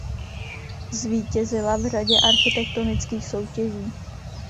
Zvítězila v řadě architektonických soutěží.